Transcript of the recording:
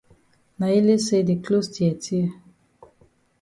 Na ele say the closs tear tear.